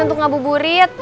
untuk ngabu burit